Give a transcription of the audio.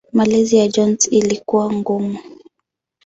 Malezi ya Jones ilikuwa ngumu.